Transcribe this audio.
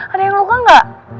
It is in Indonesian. ada yang luka gak